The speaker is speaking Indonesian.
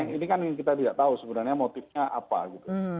ini kan yang kita tidak tahu sebenarnya motifnya apa gitu